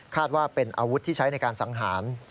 ว่าเป็นอาวุธที่ใช้ในการสังหาร